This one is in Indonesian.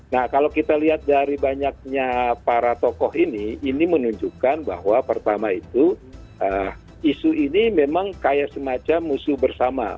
nah kalau kita lihat dari banyaknya para tokoh ini ini menunjukkan bahwa pertama itu isu ini memang kayak semacam musuh bersama